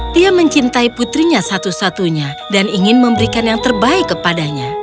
dia mencintai putrinya satu satunya dan ingin memberikan yang terbaik kepadanya